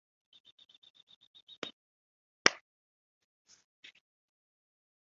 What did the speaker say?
imikoreshereze y ubwoko bumwe na bumwe